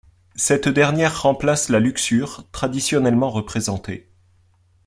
Cette dernière remplace la Luxure traditionnellement représentée.